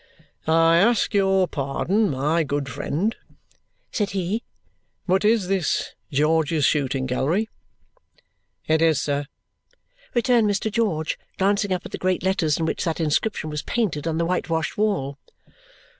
"I ask your pardon, my good friend," said he, "but is this George's Shooting Gallery?" "It is, sir," returned Mr. George, glancing up at the great letters in which that inscription was painted on the whitewashed wall.